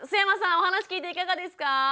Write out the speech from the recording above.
お話聞いていかがですか？